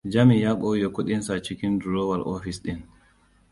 Jami ya ɓoye kuɗinsa cikin durowar ofis ɗin.